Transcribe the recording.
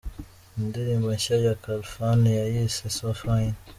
Indirimbo nshya ya Khalfan yayise So Fine.